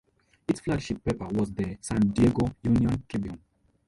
Its flagship paper was "The San Diego Union-Tribune".